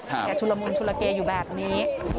แต่ชุลมุลเกย์อยู่แบบนี้